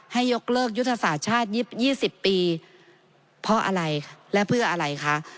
ยกเลิกยุทธศาสตร์ชาติ๒๐ปีเพราะอะไรและเพื่ออะไรคะ